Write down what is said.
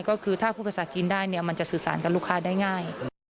ก็คือถ้าพูดภาษาจีนได้เนี่ยมันจะสื่อสารกับลูกค้าได้ง่าย